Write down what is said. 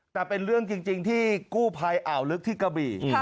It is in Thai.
แต่เป็นเรื่องจริงที่กู้ภัยอ่าวลึกที่กระบี่